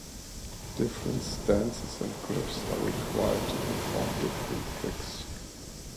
Different stances and grips are required to perform different tricks.